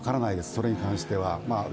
それに関しては。